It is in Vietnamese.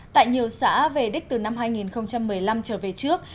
tại nhiều xã về đích từ năm hai nghìn một mươi năm trở về trước